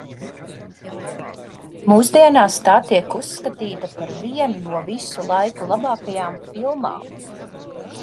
Mūsdienās tā tiek uzskatīta par vienu no visu laiku labākajām filmām.